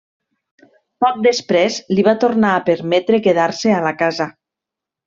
Poc després, li va tornar a permetre quedar-se a la casa.